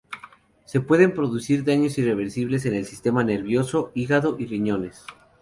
Se pueden producir daños irreversibles en el sistema nervioso central, hígado y riñones.